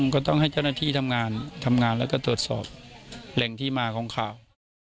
ก็ต้องให้เจ้าหน้าที่ทำงานทำงานแล้วก็ตรวจสอบแหล่งที่มาของข่าว